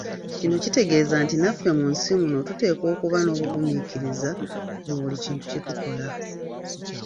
Kino kitegeeza nti naffe mu nsi muno tuteekwa okuba n'obugumiikiriza mu buli kintu kye tukola.